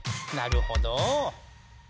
なるほど！